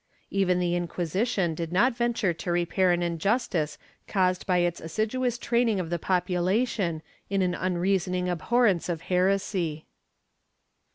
^ Even the Inquisi tion did not venture to repair an injustice caused by its assiduous training of the population in an unreasoning abhorrence of heresy.